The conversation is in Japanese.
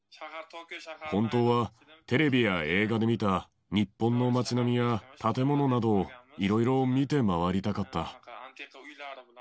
本当はテレビや映画で見た日本の街並みや建物などをいろいろ見て回りたかった。